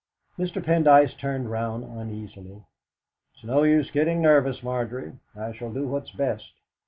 Mr. Pendyce turned round uneasily. "It's no use your getting nervous, Margery. I shall do what's best.